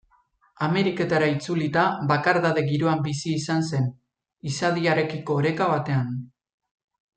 Ameriketara itzulita, bakardade-giroan bizi izan zen, izadiarekiko oreka betean.